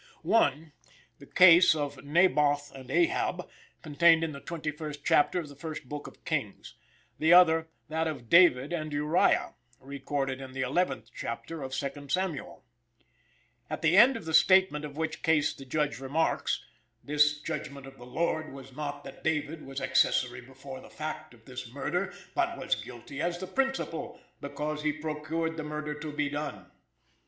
One, the case "of Naboth and Ahab, contained in the 21st chapter of the First Book of Kings," the other, "that of David and Uriah, recorded in the 11th chapter of Second Samuel;" at the end of the statement of which case the Judge remarks, "this judgment of the Lord was not that David was accessory before the fact of this murder, but was guilty as the principal, because he procured the murder to be done.